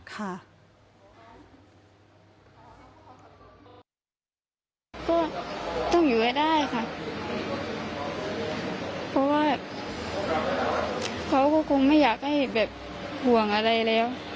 ก็ต้องอยู่ให้ได้ค่ะเพราะว่าเขาก็คงไม่อยากให้แบบห่วงอะไรแล้ว